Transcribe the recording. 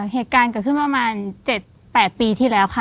เหตุการณ์เกิดขึ้นประมาณ๗๘ปีที่แล้วค่ะ